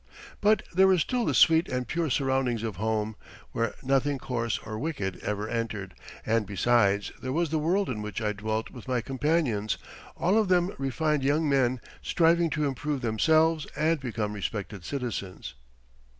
But there were still the sweet and pure surroundings of home, where nothing coarse or wicked ever entered, and besides, there was the world in which I dwelt with my companions, all of them refined young men, striving to improve themselves and become respected citizens.